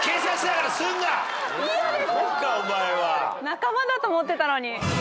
仲間だと思ってたのに。